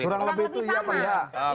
kurang lebih itu iya pak